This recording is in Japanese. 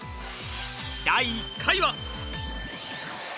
第１回は？